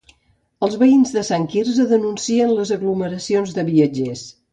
Els veïns de Sant Quirze denuncien les aglomeracions de viatgers.